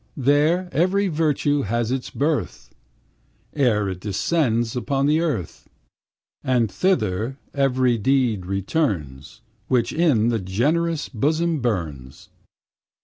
There every virtue has its birth, Ere it descends upon the earth, And thither every deed returns, Which in the generous bosom burns.